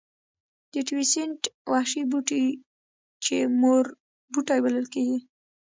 د تیوسینټ وحشي بوټی چې مور بوټی بلل کېږي.